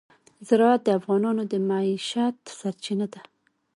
زراعت د افغانانو د معیشت سرچینه ده.